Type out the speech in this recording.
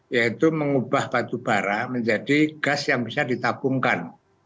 yaitu mengubah batu bara menjadi gas yang bisa ditabungkan